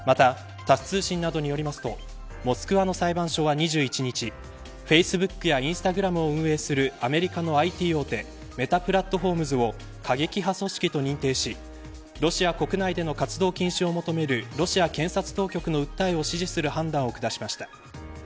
また、タス通信などによりますとモスクワの裁判所は２１日フェイスブックやインスタグラムを運営するアメリカのＩＴ大手メタ・プラットフォームズを過激派組織と認定しロシア国内での活動禁止を求めるロシア検察当局の訴えを支持する判断を下しました。